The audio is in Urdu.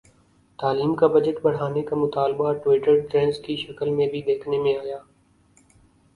تعلیم کا بجٹ بڑھانے کا مطالبہ ٹوئٹر ٹرینڈز کی شکل میں بھی دیکھنے میں آیا